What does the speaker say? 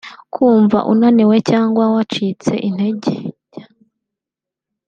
Kumva unaniwe cyangwa wacitse intege